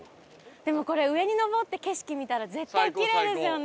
でもこれ上に登って景色見たら絶対きれいですよね。